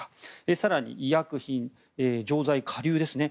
更に、医薬品錠剤、顆粒ですね。